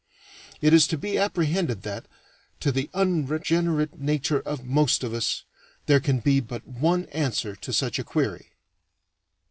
It is to be apprehended that to the unregenerate nature of most of us there can be but one answer to such a query.